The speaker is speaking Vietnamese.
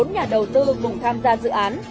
bốn nhà đầu tư cùng tham gia dự án